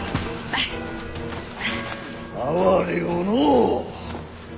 哀れよのう。